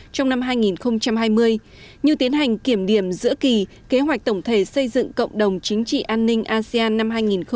trong năm hai nghìn hai mươi như tiến hành kiểm điểm giữa kỳ kế hoạch tổng thể xây dựng cộng đồng chính trị an ninh asean năm hai nghìn hai mươi